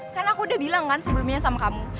karena aku udah bilang kan sebelumnya sama kamu